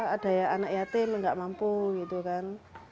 ada ya anak yatim nggak mampu gitu kan